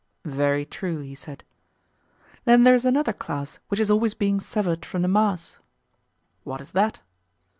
Very true, he said. Then there is another class which is always being severed from the mass. What is that?